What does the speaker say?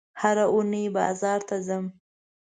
هره اونۍ بازار ته ځم